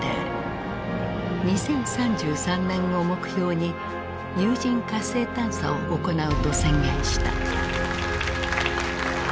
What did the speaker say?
２０３３年を目標に有人火星探査を行うと宣言した。